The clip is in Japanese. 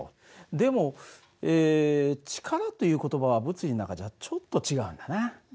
でも力という言葉は物理の中じゃちょっと違うんだな。